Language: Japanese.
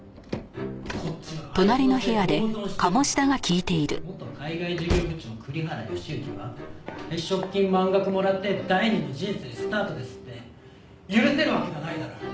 「こっちはあいつのせいで大損してるのに元海外事業部長栗原善行は退職金満額もらって第２の人生スタートですって許せるわけがないだろう」